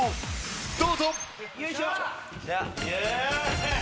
どうぞ！